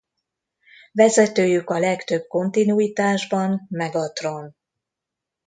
Vezetőjük a legtöbb kontinuitásban Megatron.